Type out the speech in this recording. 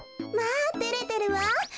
まあてれてるわ。